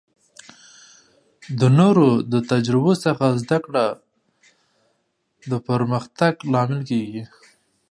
د نورو د تجربو څخه زده کړه د پرمختګ لامل کیږي.